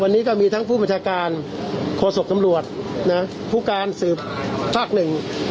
วันนี้ก็มีทั้งผู้บัญชาการโฆษกตำรวจนะผู้การสืบภาคหนึ่ง